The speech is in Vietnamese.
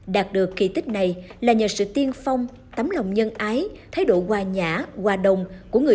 đạt được kỳ tích này là nhờ sự tiên phong tấm lòng nhân ái thái độ hòa nhã hòa đồng của người